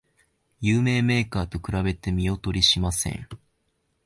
有名メーカーと比べて見劣りしません